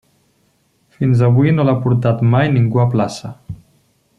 Fins avui no l'ha portat mai ningú a plaça.